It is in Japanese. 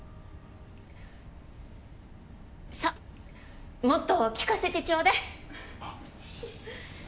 さぁもっと聞かせてちょうだい。